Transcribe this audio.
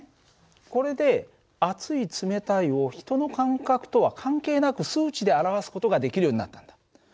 これで熱い冷たいを人の感覚とは関係なく数値で表す事ができるようになったんだ。